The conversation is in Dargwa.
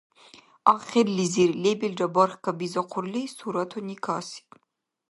Ахирлизир, лебилра барх кабизахъурли, суратуни касиб.